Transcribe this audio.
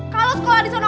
kalo sekolah disana